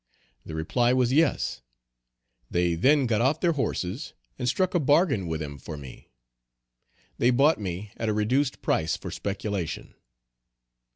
The reply was, yes. They then got off their horses and struck a bargain with him for me. They bought me at a reduced price for speculation.